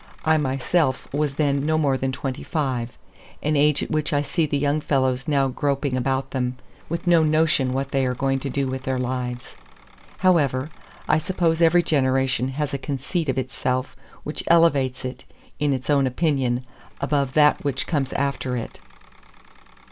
I myself was then no more than twenty five, an age at which I see the young fellows now groping about them, with no notion what they are going to do with their lives. However; I suppose every generation has a conceit of itself which elevates it, in its own opinion, above that which comes after it.